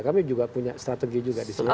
kami juga punya strategi juga disitu